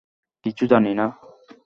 কিছু জানি না!